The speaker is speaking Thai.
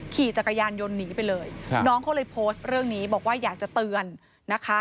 ขี่จักรยานยนต์หนีไปเลยน้องเขาเลยโพสต์เรื่องนี้บอกว่าอยากจะเตือนนะคะ